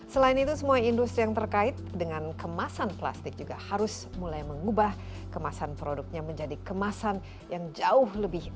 selain itu semua industri yang terkait dengan kemasan plastik juga harus mulai mengubah kemasan produknya menjadi kemasan yang jauh lebih